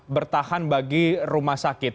bertahan bagi rumah sakit